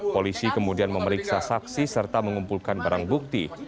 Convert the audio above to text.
polisi kemudian memeriksa saksi serta mengumpulkan barang bukti